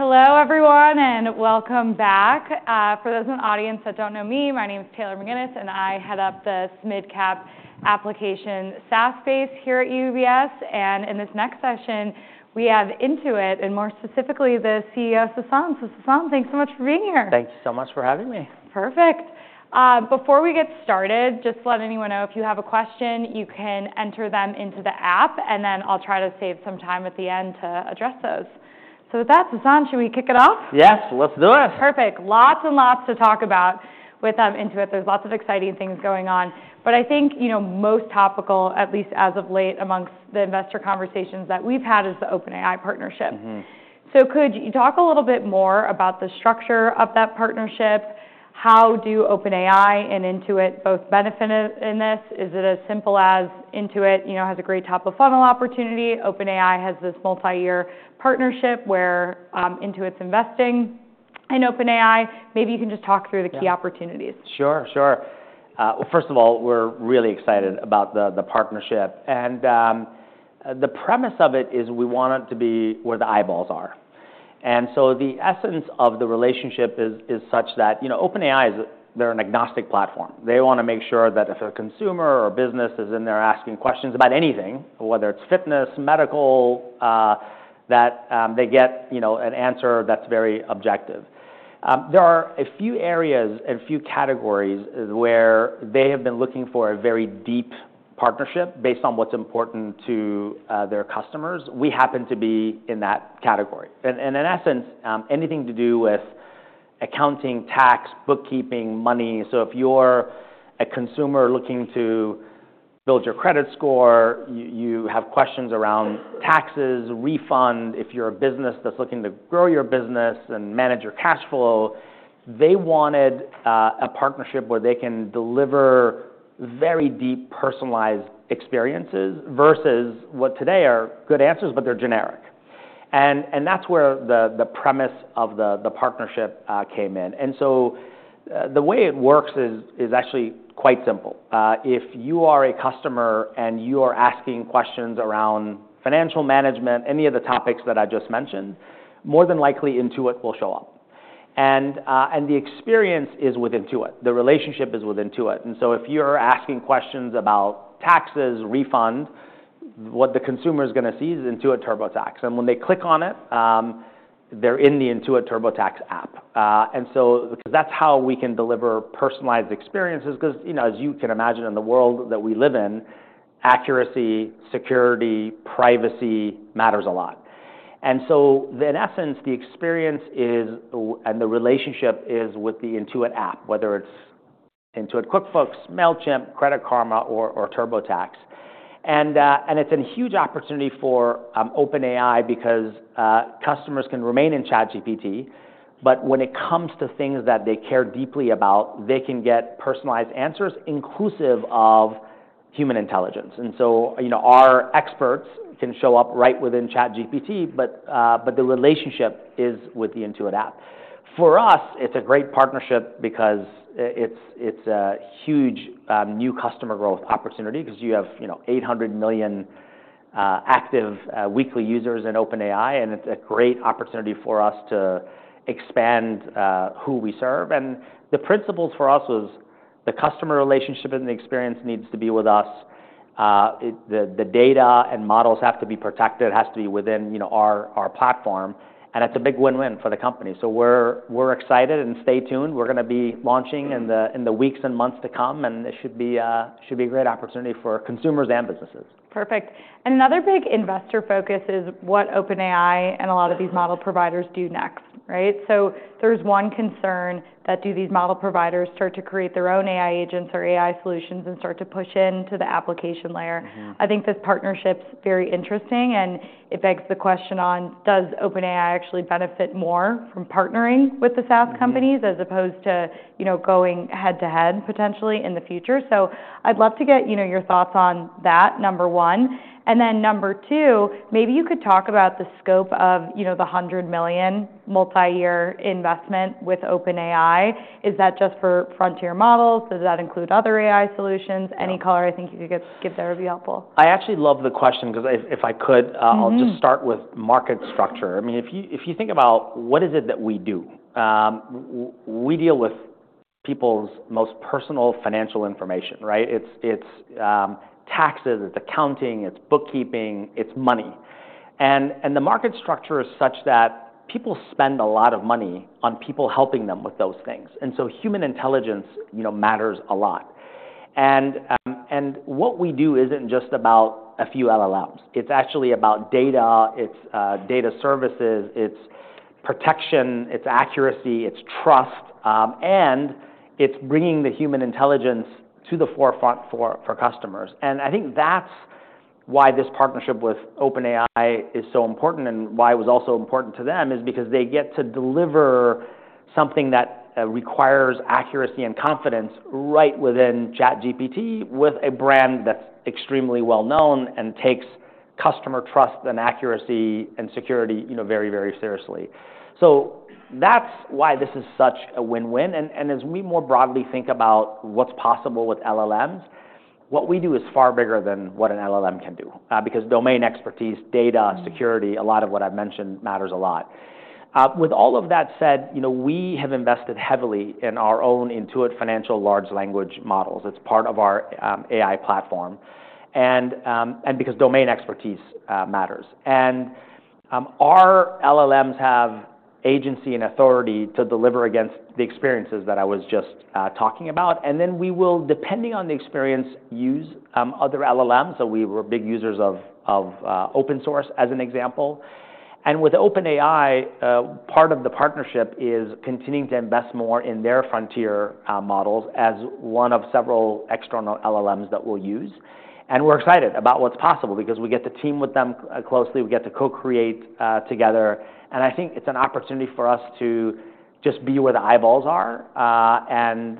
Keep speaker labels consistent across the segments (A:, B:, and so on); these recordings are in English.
A: Hello, everyone, and welcome back. For those in the audience that don't know me, my name is Taylor McGinnis, and I head up the SMIDCAP application SaaS space here at UBS. And in this next session, we have Intuit, and more specifically the CEO, Sasan. So, Sasan, thanks so much for being here.
B: Thank you so much for having me.
A: Perfect. Before we get started, just to let anyone know, if you have a question, you can enter them into the app, and then I'll try to save some time at the end to address those. So with that, Sasan, should we kick it off?
B: Yes, let's do it.
A: Perfect. Lots and lots to talk about with Intuit. There's lots of exciting things going on, but I think most topical, at least as of late, amongst the investor conversations that we've had, is the OpenAI partnership, so could you talk a little bit more about the structure of that partnership? How do OpenAI and Intuit both benefit in this? Is it as simple as Intuit has a great top-of-funnel opportunity? OpenAI has this multi-year partnership where Intuit's investing in OpenAI. Maybe you can just talk through the key opportunities.
B: Sure, sure. Well, first of all, we're really excited about the partnership. And the premise of it is we want it to be where the eyeballs are. And so the essence of the relationship is such that OpenAI, they're an agnostic platform. They want to make sure that if a consumer or a business is in there asking questions about anything, whether it's fitness, medical, that they get an answer that's very objective. There are a few areas and a few categories where they have been looking for a very deep partnership based on what's important to their customers. We happen to be in that category. And in essence, anything to do with accounting, tax, bookkeeping, money. So if you're a consumer looking to build your credit score, you have questions around taxes, refund. If you're a business that's looking to grow your business and manage your cash flow, they wanted a partnership where they can deliver very deep, personalized experiences versus what today are good answers, but they're generic. And that's where the premise of the partnership came in. And so the way it works is actually quite simple. If you are a customer and you are asking questions around financial management, any of the topics that I just mentioned, more than likely Intuit will show up. And the experience is with Intuit. The relationship is with Intuit. And so if you're asking questions about taxes, refund, what the consumer is going to see is Intuit TurboTax. And when they click on it, they're in the Intuit TurboTax app. And so because that's how we can deliver personalized experiences. Because as you can imagine in the world that we live in, accuracy, security, privacy matters a lot. And so in essence, the experience and the relationship is with the Intuit app, whether it's Intuit QuickBooks, Mailchimp, Credit Karma, or TurboTax. And it's a huge opportunity for OpenAI because customers can remain in ChatGPT. But when it comes to things that they care deeply about, they can get personalized answers inclusive of human intelligence. And so our experts can show up right within ChatGPT, but the relationship is with the Intuit app. For us, it's a great partnership because it's a huge new customer growth opportunity because you have 800 million active weekly users in OpenAI. And it's a great opportunity for us to expand who we serve. And the principles for us was the customer relationship and the experience needs to be with us. The data and models have to be protected. It has to be within our platform. And it's a big win-win for the company. So we're excited and stay tuned. We're going to be launching in the weeks and months to come. And it should be a great opportunity for consumers and businesses.
A: Perfect. And another big investor focus is what OpenAI and a lot of these model providers do next, right? So there's one concern that do these model providers start to create their own AI agents or AI solutions and start to push into the application layer? I think this partnership's very interesting. And it begs the question on, does OpenAI actually benefit more from partnering with the SaaS companies as opposed to going head-to-head potentially in the future? So I'd love to get your thoughts on that, number one. And then number two, maybe you could talk about the scope of the $100 million multi-year investment with OpenAI. Is that just for frontier models? Does that include other AI solutions? Any color, I think you could give there would be helpful.
B: I actually love the question because if I could, I'll just start with market structure. I mean, if you think about what is it that we do, we deal with people's most personal financial information, right? It's taxes, it's accounting, it's bookkeeping, it's money. And the market structure is such that people spend a lot of money on people helping them with those things. And so human intelligence matters a lot. And what we do isn't just about a few LLMs. It's actually about data, it's data services, it's protection, it's accuracy, it's trust. And it's bringing the human intelligence to the forefront for customers. And I think that's why this partnership with OpenAI is so important and why it was also important to them is because they get to deliver something that requires accuracy and confidence right within ChatGPT with a brand that's extremely well-known and takes customer trust and accuracy and security very, very seriously. So that's why this is such a win-win. And as we more broadly think about what's possible with LLMs, what we do is far bigger than what an LLM can do because domain expertise, data, security, a lot of what I've mentioned matters a lot. With all of that said, we have invested heavily in our own Intuit financial large language models. It's part of our AI platform because domain expertise matters. And our LLMs have agency and authority to deliver against the experiences that I was just talking about. And then we will, depending on the experience, use other LLMs. So we were big users of open source as an example. And with OpenAI, part of the partnership is continuing to invest more in their frontier models as one of several external LLMs that we'll use. And we're excited about what's possible because we get to team with them closely. We get to co-create together. And I think it's an opportunity for us to just be where the eyeballs are and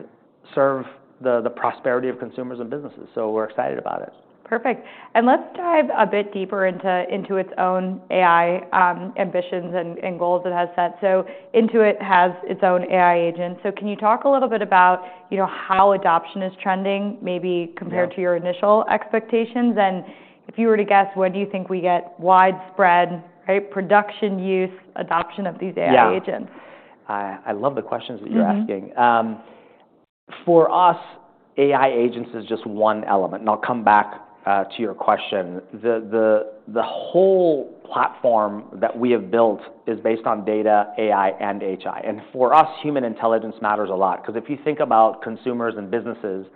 B: serve the prosperity of consumers and businesses. So we're excited about it.
A: Perfect. And let's dive a bit deeper into Intuit's own AI ambitions and goals it has set. So Intuit has its own AI agents. So can you talk a little bit about how adoption is trending, maybe compared to your initial expectations? And if you were to guess, when do you think we get widespread production use, adoption of these AI agents?
B: Yeah. I love the questions that you're asking. For us, AI agents is just one element. And I'll come back to your question. The whole platform that we have built is based on data, AI, and HI. And for us, human intelligence matters a lot because if you think about consumers and businesses,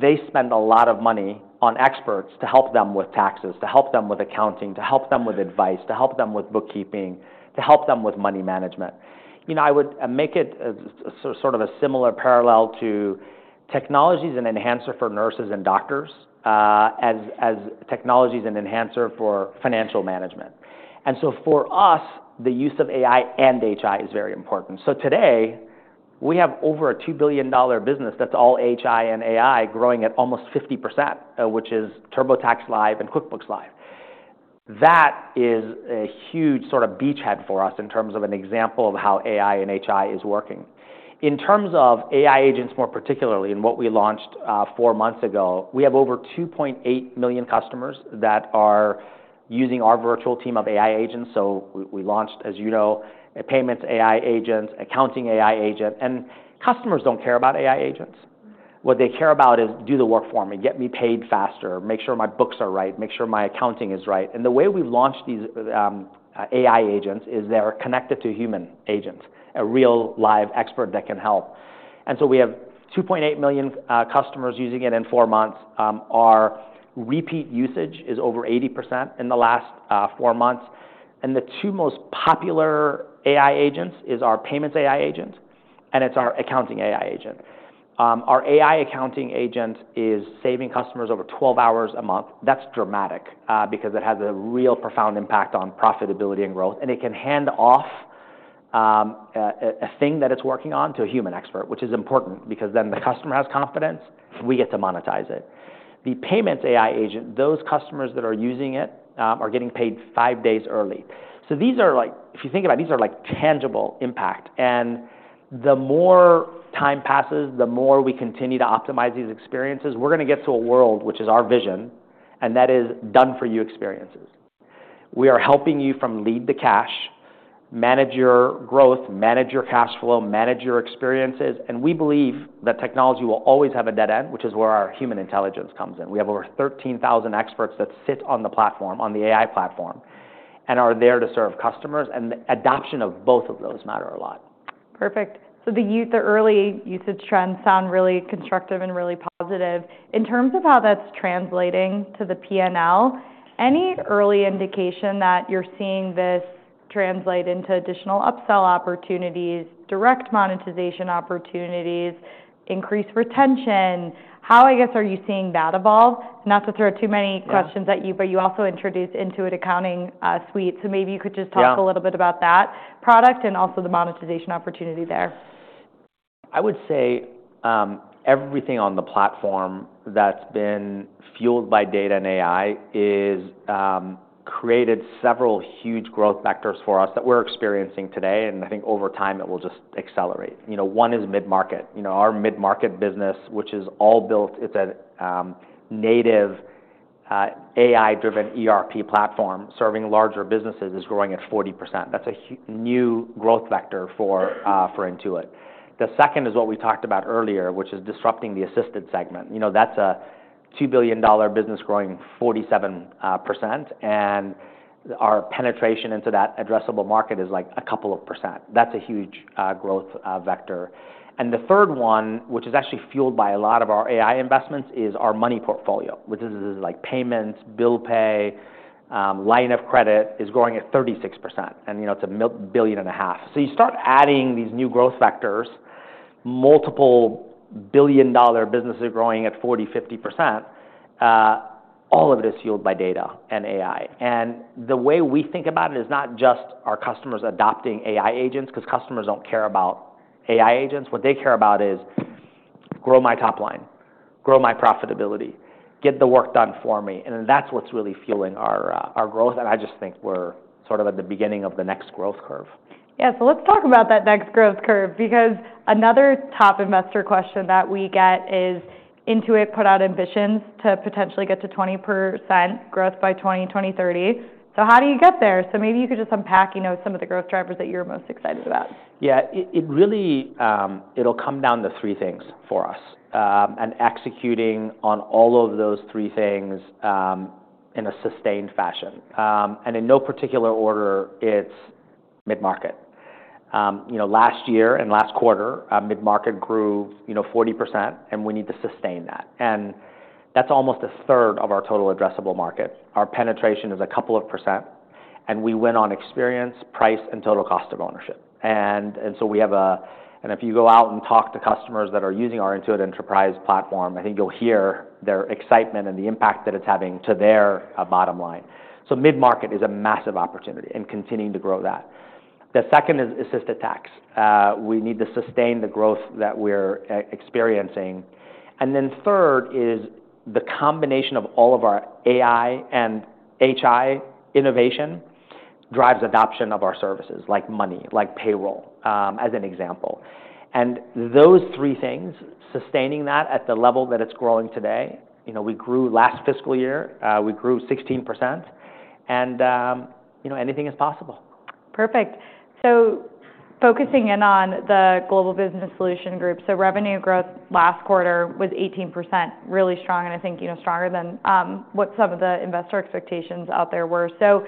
B: they spend a lot of money on experts to help them with taxes, to help them with accounting, to help them with advice, to help them with bookkeeping, to help them with money management. I would make it sort of a similar parallel to technology as an enhancer for nurses and doctors as technology as an enhancer for financial management. And so for us, the use of AI and HI is very important. So today, we have over a $2 billion business that's all HI and AI growing at almost 50%, which is TurboTax Live and QuickBooks Live. That is a huge sort of beachhead for us in terms of an example of how AI and HI is working. In terms of AI agents more particularly and what we launched four months ago, we have over 2.8 million customers that are using our virtual team of AI agents. So we launched, as you know, a payments AI agent, accounting AI agent. And customers don't care about AI agents. What they care about is do the work for me, get me paid faster, make sure my books are right, make sure my accounting is right. And the way we've launched these AI agents is they're connected to human agents, a real live expert that can help. And so we have 2.8 million customers using it in four months. Our repeat usage is over 80% in the last four months. And the two most popular AI agents are our payments AI agent and it's our accounting AI agent. Our AI accounting agent is saving customers over 12 hours a month. That's dramatic because it has a real profound impact on profitability and growth. And it can hand off a thing that it's working on to a human expert, which is important because then the customer has confidence. We get to monetize it. The payments AI agent, those customers that are using it are getting paid five days early. So these are, if you think about it, these are tangible impact. The more time passes, the more we continue to optimize these experiences. We're going to get to a world, which is our vision, and that is done-for-you experiences. We are helping you from lead to cash, manage your growth, manage your cash flow, manage your experiences. We believe that technology will always have a dead end, which is where our human intelligence comes in. We have over 13,000 experts that sit on the platform, on the AI platform, and are there to serve customers. The adoption of both of those matters a lot.
A: Perfect. So the early usage trends sound really constructive and really positive. In terms of how that's translating to the P&L, any early indication that you're seeing this translate into additional upsell opportunities, direct monetization opportunities, increased retention? How, I guess, are you seeing that evolve? Not to throw too many questions at you, but you also introduced Intuit Accountant Suite. So maybe you could just talk a little bit about that product and also the monetization opportunity there.
B: I would say everything on the platform that's been fueled by data and AI has created several huge growth vectors for us that we're experiencing today. And I think over time, it will just accelerate. One is mid-market. Our mid-market business, which is all built, it's a native AI-driven ERP platform serving larger businesses, is growing at 40%. That's a new growth vector for Intuit. The second is what we talked about earlier, which is disrupting the assisted segment. That's a $2 billion business growing 47%. And our penetration into that addressable market is like a couple of percent. That's a huge growth vector. And the third one, which is actually fueled by a lot of our AI investments, is our money portfolio, which is payments, bill pay, line of credit is growing at 36%. And it's $1.5 billion. So you start adding these new growth vectors, multiple billion-dollar businesses growing at 40%-50%. All of it is fueled by data and AI. And the way we think about it is not just our customers adopting AI agents because customers don't care about AI agents. What they care about is grow my top line, grow my profitability, get the work done for me. And that's what's really fueling our growth. And I just think we're sort of at the beginning of the next growth curve.
A: Yeah. So let's talk about that next growth curve because another top investor question that we get is Intuit put out ambitions to potentially get to 20% growth by 2030. So how do you get there? So maybe you could just unpack some of the growth drivers that you're most excited about.
B: Yeah. It'll come down to three things for us and executing on all of those three things in a sustained fashion. In no particular order, it's mid-market. Last year and last quarter, mid-market grew 40%, and we need to sustain that. That's almost a third of our total addressable market. Our penetration is a couple of percent. We win on experience, price, and total cost of ownership. So we have a, and if you go out and talk to customers that are using our Intuit Enterprise platform, I think you'll hear their excitement and the impact that it's having to their bottom line. Mid-market is a massive opportunity and continuing to grow that. The second is assisted tax. We need to sustain the growth that we're experiencing. And then third is the combination of all of our AI and HI innovation drives adoption of our services like money, like payroll, as an example. And those three things, sustaining that at the level that it's growing today, we grew last fiscal year, we grew 16%. And anything is possible.
A: Perfect. So focusing in on the Global Business Solution Group, so revenue growth last quarter was 18%, really strong, and I think stronger than what some of the investor expectations out there were. So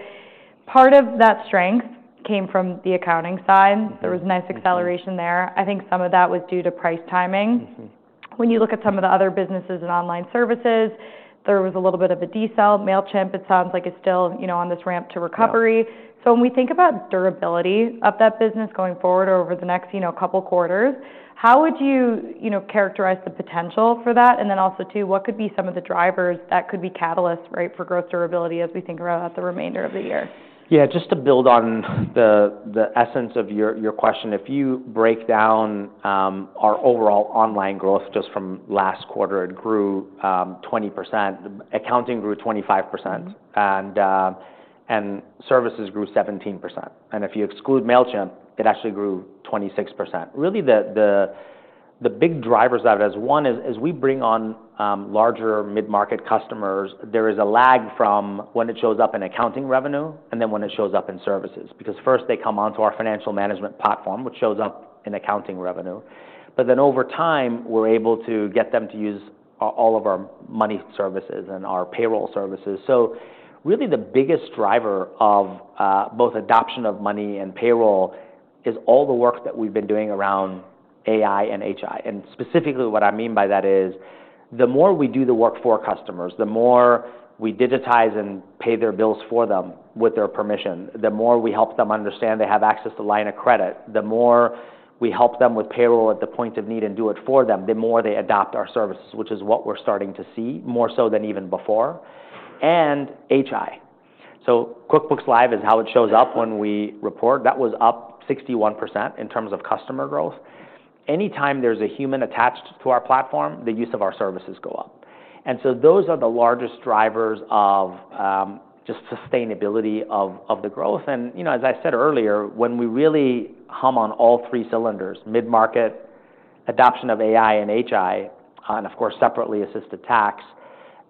A: part of that strength came from the accounting side. There was nice acceleration there. I think some of that was due to price timing. When you look at some of the other businesses and online services, there was a little bit of a decel, Mailchimp. It sounds like it's still on this ramp to recovery. So when we think about durability of that business going forward over the next couple of quarters, how would you characterize the potential for that? And then also too, what could be some of the drivers that could be catalysts, right, for growth durability as we think about the remainder of the year?
B: Yeah. Just to build on the essence of your question, if you break down our overall online growth just from last quarter, it grew 20%. Accounting grew 25%, and services grew 17%. And if you exclude Mailchimp, it actually grew 26%. Really, the big drivers of it is one is as we bring on larger mid-market customers, there is a lag from when it shows up in accounting revenue and then when it shows up in services because first they come onto our financial management platform, which shows up in accounting revenue. But then over time, we're able to get them to use all of our money services and our payroll services. So really, the biggest driver of both adoption of money and payroll is all the work that we've been doing around AI and HI. And specifically, what I mean by that is the more we do the work for customers, the more we digitize and pay their bills for them with their permission, the more we help them understand they have access to line of credit, the more we help them with payroll at the point of need and do it for them, the more they adopt our services, which is what we're starting to see more so than even before. And HI. So QuickBooks Live is how it shows up when we report. That was up 61% in terms of customer growth. Anytime there's a human attached to our platform, the use of our services goes up. And so those are the largest drivers of just sustainability of the growth. And as I said earlier, when we really hum on all three cylinders, mid-market, adoption of AI and HI, and of course, separately assisted tax,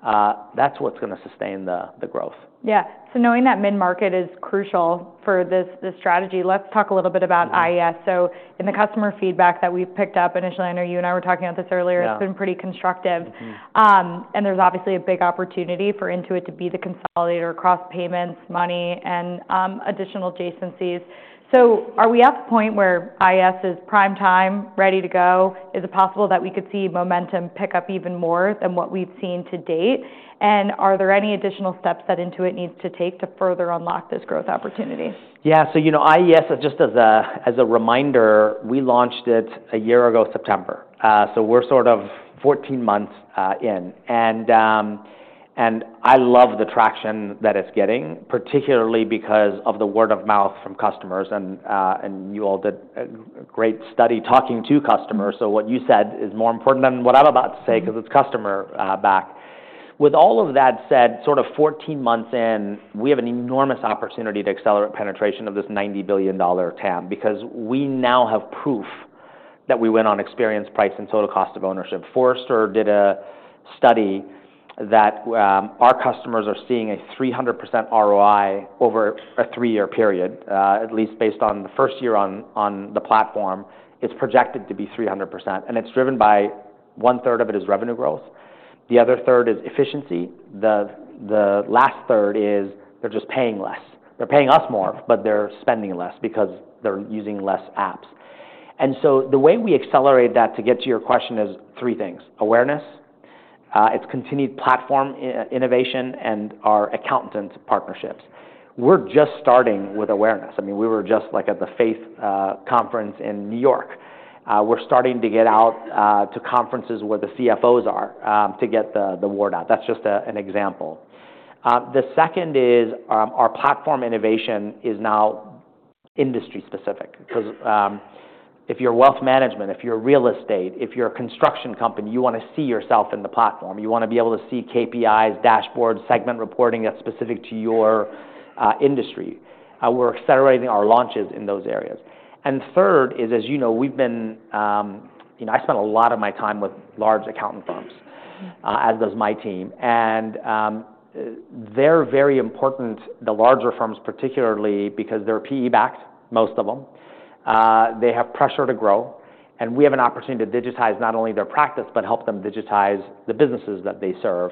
B: that's what's going to sustain the growth.
A: Yeah. So knowing that mid-market is crucial for this strategy, let's talk a little bit about IES. So in the customer feedback that we've picked up initially, I know you and I were talking about this earlier. It's been pretty constructive. And there's obviously a big opportunity for Intuit to be the consolidator across payments, money, and additional adjacencies. So are we at the point where IES is prime time, ready to go? Is it possible that we could see momentum pick up even more than what we've seen to date? And are there any additional steps that Intuit needs to take to further unlock this growth opportunity?
B: Yeah. So IES, just as a reminder, we launched it a year ago, September. So we're sort of 14 months in. And I love the traction that it's getting, particularly because of the word of mouth from customers. And you all did a great study talking to customers. So what you said is more important than what I'm about to say because it's customer back. With all of that said, sort of 14 months in, we have an enormous opportunity to accelerate penetration of this $90 billion TAM because we now have proof that we win on experience, price, and total cost of ownership. Forrester did a study that our customers are seeing a 300% ROI over a three-year period, at least based on the first year on the platform. It's projected to be 300%. And it's driven by one third of it is revenue growth. The other third is efficiency. The last third is they're just paying less. They're paying us more, but they're spending less because they're using less apps. And so the way we accelerate that to get to your question is three things: awareness, it's continued platform innovation, and our accountant partnerships. We're just starting with awareness. I mean, we were just at the Faith Conference in New York. We're starting to get out to conferences where the CFOs are to get the word out. That's just an example. The second is our platform innovation is now industry-specific because if you're wealth management, if you're real estate, if you're a construction company, you want to see yourself in the platform. You want to be able to see KPIs, dashboards, segment reporting that's specific to your industry. We're accelerating our launches in those areas. And third is, as you know, we've been. I spent a lot of my time with large accountant firms, as does my team. And they're very important, the larger firms particularly, because they're PE-backed, most of them. They have pressure to grow. And we have an opportunity to digitize not only their practice, but help them digitize the businesses that they serve.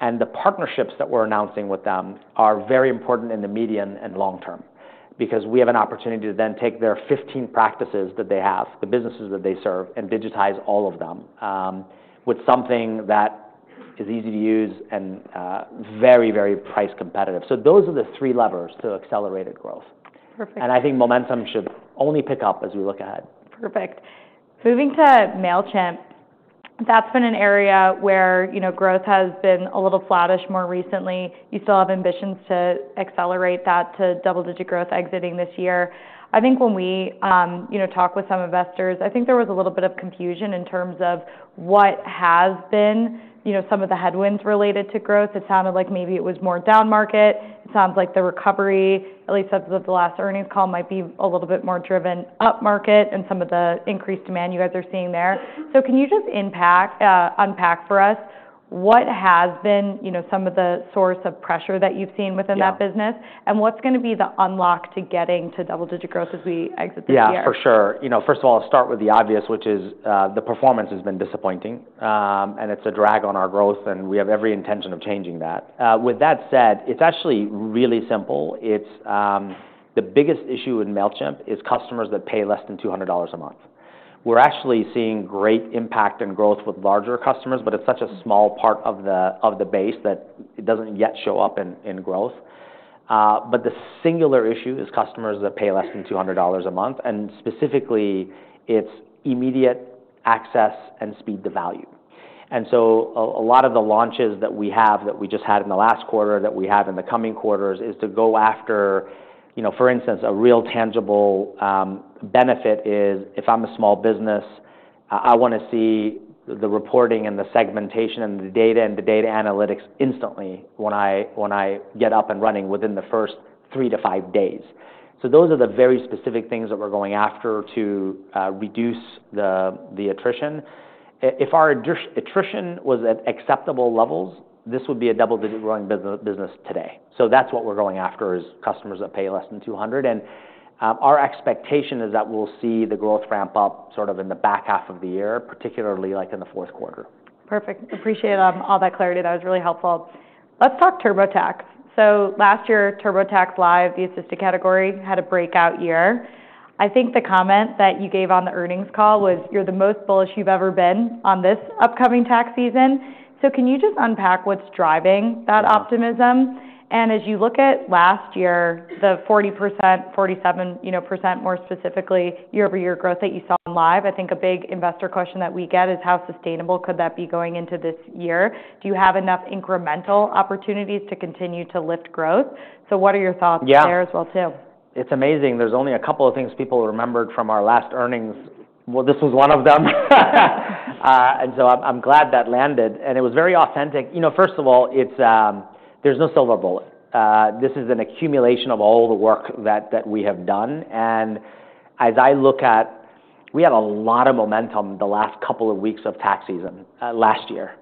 B: And the partnerships that we're announcing with them are very important in the medium and long term because we have an opportunity to then take their 15 practices that they have, the businesses that they serve, and digitize all of them with something that is easy to use and very, very price competitive. So those are the three levers to accelerated growth. And I think momentum should only pick up as we look ahead.
A: Perfect. Moving to Mailchimp, that's been an area where growth has been a little slower more recently. You still have ambitions to accelerate that to double-digit growth exiting this year. I think when we talk with some investors, I think there was a little bit of confusion in terms of what has been some of the headwinds related to growth. It sounded like maybe it was more down-market. It sounds like the recovery, at least of the last earnings call, might be a little bit more driven up-market and some of the increased demand you guys are seeing there. So can you just unpack for us what has been some of the source of pressure that you've seen within that business? And what's going to be the unlock to getting to double-digit growth as we exit this year?
B: Yeah, for sure. First of all, I'll start with the obvious, which is the performance has been disappointing. And it's a drag on our growth. And we have every intention of changing that. With that said, it's actually really simple. The biggest issue in Mailchimp is customers that pay less than $200 a month. We're actually seeing great impact and growth with larger customers, but it's such a small part of the base that it doesn't yet show up in growth. But the singular issue is customers that pay less than $200 a month. And specifically, it's immediate access and speed to value. And so a lot of the launches that we have that we just had in the last quarter that we have in the coming quarters is to go after, for instance, a real tangible benefit. If I'm a small business, I want to see the reporting and the segmentation and the data and the data analytics instantly when I get up and running within the first three to five days. So those are the very specific things that we're going after to reduce the attrition. If our attrition was at acceptable levels, this would be a double-digit growing business today. So that's what we're going after is customers that pay less than $200. And our expectation is that we'll see the growth ramp up sort of in the back half of the year, particularly in the fourth quarter.
A: Perfect. Appreciate all that clarity. That was really helpful. Let's talk TurboTax. So last year, TurboTax Live, the assisted category had a breakout year. I think the comment that you gave on the earnings call was, "You're the most bullish you've ever been on this upcoming tax season." So can you just unpack what's driving that optimism? And as you look at last year, the 40%-47% more specifically, year-over-year growth that you saw on Live, I think a big investor question that we get is, "How sustainable could that be going into this year? Do you have enough incremental opportunities to continue to lift growth?" So what are your thoughts there as well too?
B: Yeah. It's amazing. There's only a couple of things people remembered from our last earnings, well, this was one of them, and so I'm glad that landed, and it was very authentic. First of all, there's no silver bullet. This is an accumulation of all the work that we have done, and as I look at, we had a lot of momentum the last couple of weeks of tax season last year,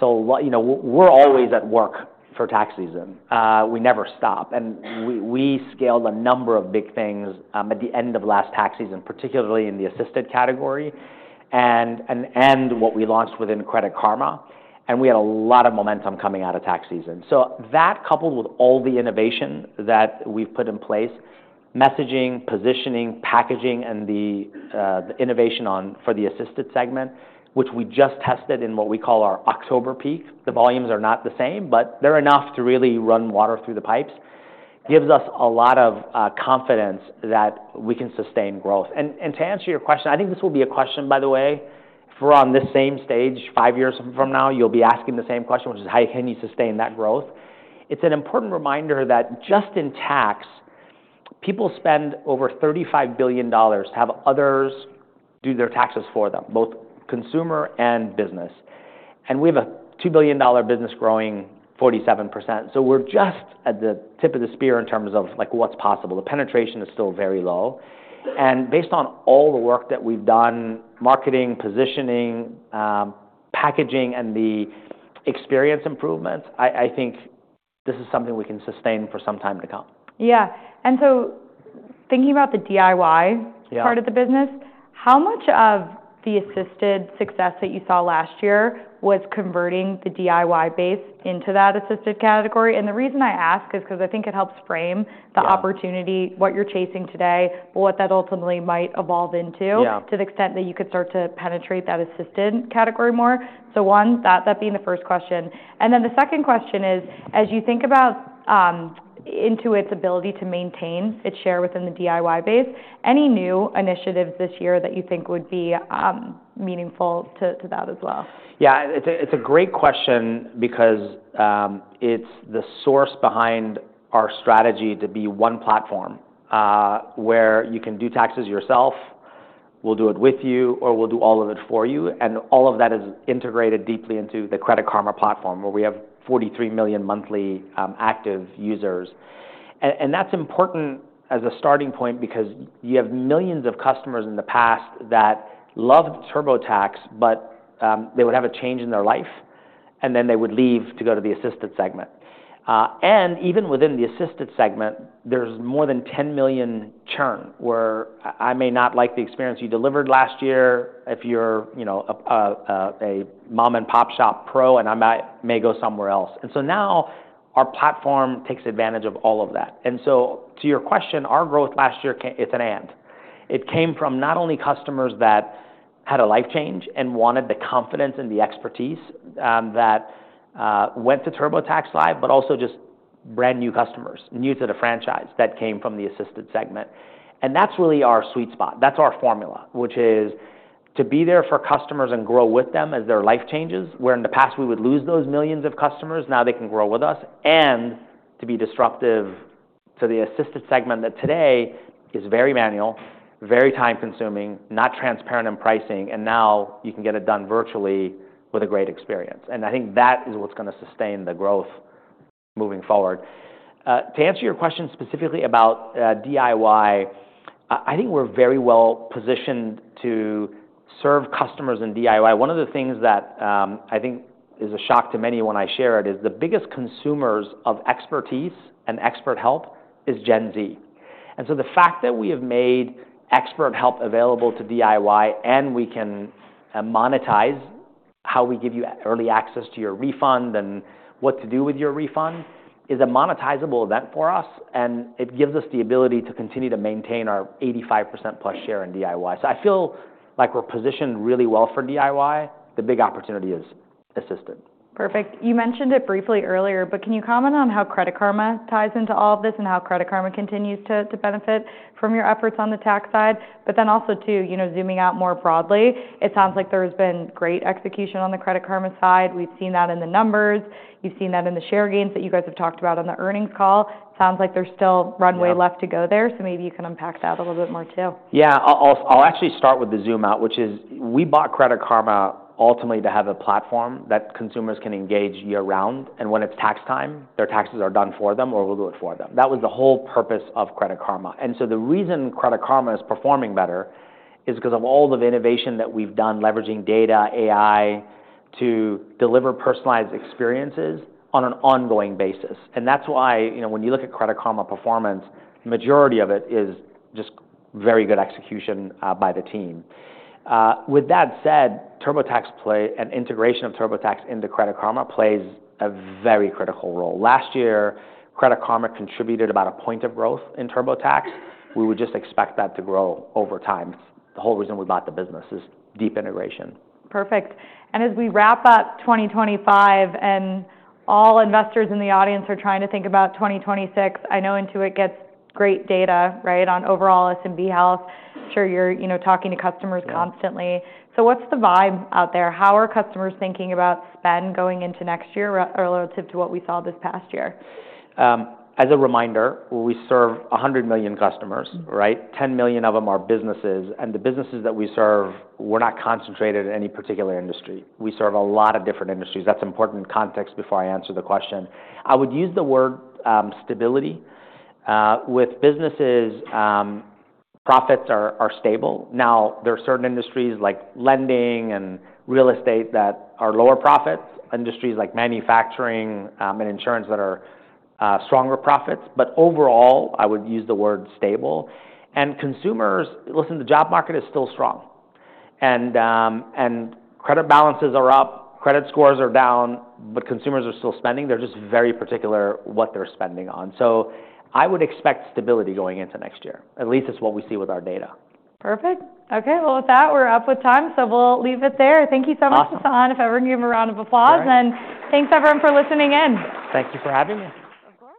B: so we're always at work for tax season. We never stop, and we scaled a number of big things at the end of last tax season, particularly in the assisted category and what we launched within Credit Karma, and we had a lot of momentum coming out of tax season. So that coupled with all the innovation that we've put in place, messaging, positioning, packaging, and the innovation for the assisted segment, which we just tested in what we call our October peak, the volumes are not the same, but they're enough to really run water through the pipes, gives us a lot of confidence that we can sustain growth. And to answer your question, I think this will be a question, by the way, if we're on this same stage five years from now, you'll be asking the same question, which is, "How can you sustain that growth?" It's an important reminder that just in tax, people spend over $35 billion to have others do their taxes for them, both consumer and business. And we have a $2 billion business growing 47%. So we're just at the tip of the spear in terms of what's possible. The penetration is still very low. And based on all the work that we've done, marketing, positioning, packaging, and the experience improvements, I think this is something we can sustain for some time to come.
A: Yeah. And so thinking about the DIY part of the business, how much of the assisted success that you saw last year was converting the DIY base into that assisted category? And the reason I ask is because I think it helps frame the opportunity, what you're chasing today, what that ultimately might evolve into to the extent that you could start to penetrate that assisted category more. So one, that being the first question. And then the second question is, as you think about Intuit's ability to maintain its share within the DIY base, any new initiatives this year that you think would be meaningful to that as well?
B: Yeah. It's a great question because it's the source behind our strategy to be one platform where you can do taxes yourself, we'll do it with you, or we'll do all of it for you. And all of that is integrated deeply into the Credit Karma platform where we have 43 million monthly active users. And that's important as a starting point because you have millions of customers in the past that loved TurboTax, but they would have a change in their life, and then they would leave to go to the assisted segment. And even within the assisted segment, there's more than 10 million churn where I may not like the experience you delivered last year if you're a mom-and-pop shop pro, and I may go somewhere else. And so now our platform takes advantage of all of that. And so, to your question, our growth last year, it's an and. It came from not only customers that had a life change and wanted the confidence and the expertise that went to TurboTax Live, but also just brand new customers, new to the franchise that came from the assisted segment. And that's really our sweet spot. That's our formula, which is to be there for customers and grow with them as their life changes, where in the past we would lose those millions of customers. Now they can grow with us, and to be disruptive to the assisted segment that today is very manual, very time-consuming, not transparent in pricing. And now you can get it done virtually with a great experience. And I think that is what's going to sustain the growth moving forward. To answer your question specifically about DIY, I think we're very well positioned to serve customers in DIY. One of the things that I think is a shock to many when I share it is the biggest consumers of expertise and expert help is Gen Z. And so the fact that we have made expert help available to DIY, and we can monetize how we give you early access to your refund and what to do with your refund is a monetizable event for us. And it gives us the ability to continue to maintain our 85%+ share in DIY. So I feel like we're positioned really well for DIY. The big opportunity is assisted.
A: Perfect. You mentioned it briefly earlier, but can you comment on how Credit Karma ties into all of this and how Credit Karma continues to benefit from your efforts on the tax side? But then also too, zooming out more broadly, it sounds like there has been great execution on the Credit Karma side. We've seen that in the numbers. You've seen that in the share gains that you guys have talked about on the earnings call. It sounds like there's still runway left to go there. So maybe you can unpack that a little bit more too.
B: Yeah. I'll actually start with the zoom out, which is we bought Credit Karma ultimately to have a platform that consumers can engage year-round. And when it's tax time, their taxes are done for them or we'll do it for them. That was the whole purpose of Credit Karma. And so the reason Credit Karma is performing better is because of all the innovation that we've done, leveraging data, AI to deliver personalized experiences on an ongoing basis. And that's why when you look at Credit Karma performance, the majority of it is just very good execution by the team. With that said, TurboTax and integration of TurboTax into Credit Karma plays a very critical role. Last year, Credit Karma contributed about a point of growth in TurboTax. We would just expect that to grow over time. It's the whole reason we bought the business is deep integration.
A: Perfect, and as we wrap up 2025 and all investors in the audience are trying to think about 2026, I know Intuit gets great data on overall SMB health. I'm sure you're talking to customers constantly. So what's the vibe out there? How are customers thinking about spend going into next year relative to what we saw this past year?
B: As a reminder, we serve 100 million customers, right? 10 million of them are businesses, and the businesses that we serve, we're not concentrated in any particular industry. We serve a lot of different industries. That's important context before I answer the question. I would use the word stability. With businesses, profits are stable. Now, there are certain industries like lending and real estate that are lower profits, industries like manufacturing and insurance that are stronger profits, but overall, I would use the word stable, and consumers, listen, the job market is still strong, and credit balances are up, credit scores are down, but consumers are still spending. They're just very particular what they're spending on, so I would expect stability going into next year. At least it's what we see with our data.
A: Perfect. Okay. With that, we're out of time. So we'll leave it there. Thank you so much, Sasan. Let's give him a round of applause. Thanks, everyone, for listening in.
B: Thank you for having me.
A: Of course.